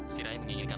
si rai menginginkan